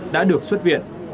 đã được xuất viện